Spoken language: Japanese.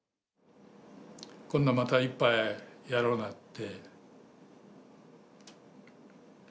今度また一杯やろうなって。